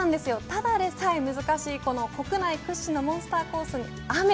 ただでさえ難しいこの国内屈指のモンスターコースに雨。